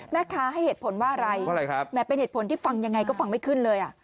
แม่ค้าให้เหตุผลว่าอะไรครับแม้เป็นเหตุผลที่ฟังยังไงก็ฟังไม่ขึ้นเลยอ่ะ